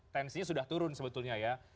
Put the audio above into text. tensinya sudah turun sebetulnya ya